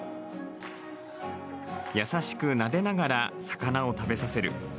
優しくなでながら魚を食べさせる。